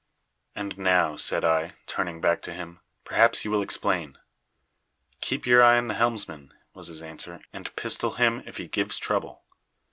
"'And now,' said I, turning back to him, 'perhaps you will explain.' "'Keep your eye on the helmsman,' was his answer, 'and pistol him if he gives trouble.'